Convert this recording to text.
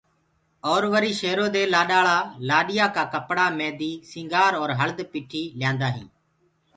اور وري شيرو دي لآڏآݪآ لآڏيآ ڪآ ڪپڙآ، ميدي، سنگھآر اور هݪد پِٺي ليآندآ هينٚ